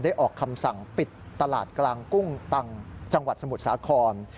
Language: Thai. ออกคำสั่งปิดตลาดกลางกุ้งตังจังหวัดสมุทรสาคร